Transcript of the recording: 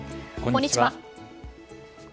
こんにちは。